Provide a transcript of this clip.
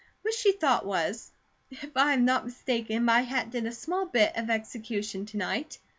What she thought was: "If I am not mistaken, my hat did a small bit of execution to night."